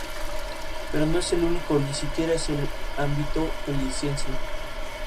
Pero no es el único, ni siquiera en el ámbito jalisciense.